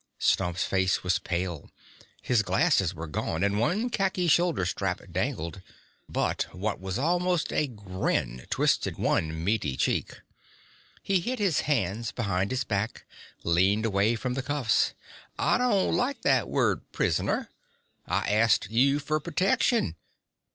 Stump's face was pale, his glasses were gone and one khaki shoulder strap dangled but what was almost a grin twisted one meaty cheek. He hid his hands behind his back, leaned away from the cuffs. "I don't like that word 'prisoner'. I ast you fer pertection.